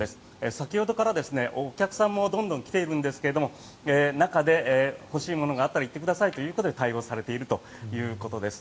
先ほどからお客さんもどんどん来ているんですが中で、欲しいものがあったら言ってくださいということで対応しているということです。